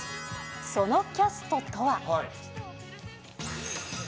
そのキャストとは。